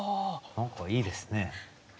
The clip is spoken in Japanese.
何かいいですね。